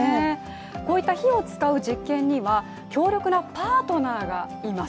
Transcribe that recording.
こういった火を使う実験には強力なパートナーがいます。